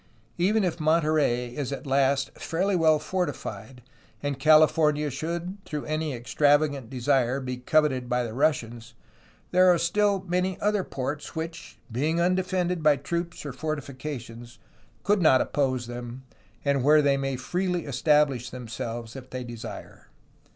Even if Monterey is at last fairly well fortified and California should through any extravagant desire be coveted by the Russians, there are still many other ports which, being undefended by troops or fortifications, could not oppose them, and where they may freely establish themselves if they desire.